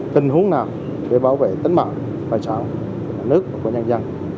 tình huống nào để bảo vệ tính mạng tài sản nhà nước và của nhân dân